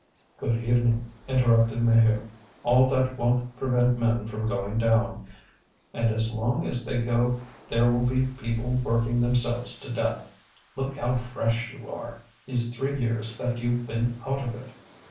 "Good evening," interrupted Maheu. "All that won't prevent men from going down, and as long as they go there will be people working themselves to death. Look how fresh you are, these three years that you've been out of it."